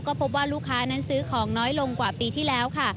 ก็พบว่าลูกค้านั้นซื้อของน้อยลงกว่าปีที่แล้วค่ะ